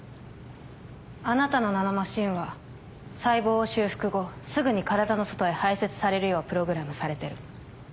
あなたのナノマシンは細胞を修復後すぐに体の外へ排泄されるようプログラムされてる。